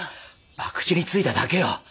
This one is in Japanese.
博打についただけよ。